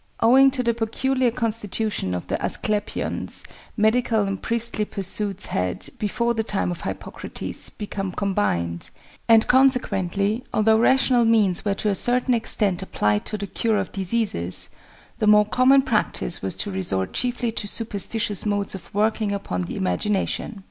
Owing to the peculiar constitution of the Asclepions, medical and priestly pursuits had, before the time of Hippocrates, become combined; and, consequently, although rational means were to a certain extent applied to the cure of diseases, the more common practice was to resort chiefly to superstitious modes of working upon the imagination.